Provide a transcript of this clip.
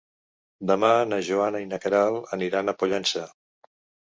Demà na Joana i na Queralt aniran a Pollença.